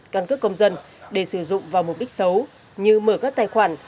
căn cước công dân để sử dụng vào mục đích xấu như mở các tài khoản